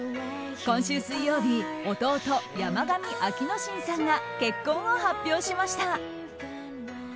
今週水曜日弟・山上暁之進さんが結婚を発表しました。